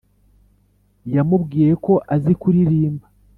yamubwiye ko azi kuririmba